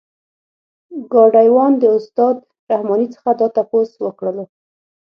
ګاډی وان د استاد رحماني څخه دا تپوس وکړلو.